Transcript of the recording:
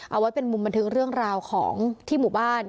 เอาไว้เป็นมุมบันทึกเรื่องราวของที่หมู่บ้าน